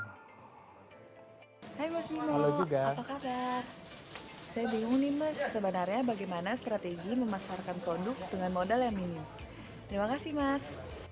mas saya bingung nih mas sebenarnya bagaimana strategi memasarkan produk dengan modal yang minim terima kasih mas